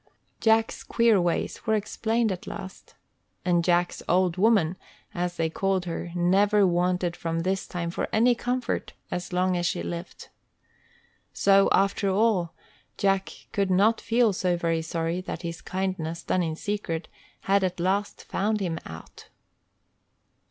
Jack's queer ways were explained at last. And "Jack's old woman," as they called her, never wanted from this time for any comfort as long as she lived. So, after all, Jack could not feel so very sorry that his kindness, done in secret, had at last "found him out."